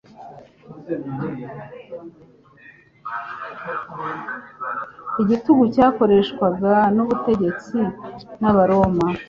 Igitugu cyakoreshwaga n'abategetsi b'Abaroma